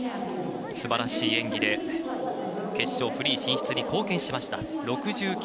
すばらしい演技で決勝、フリー進出に貢献しました。